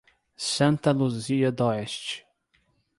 Santa Luzia d'Oeste